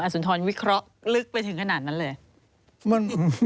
สุนทรวิเคราะห์ลึกไปถึงขนาดนั้นเลย